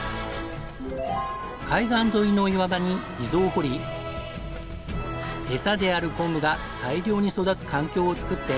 海岸沿いの岩場に溝を掘りエサであるコンブが大量に育つ環境を作って。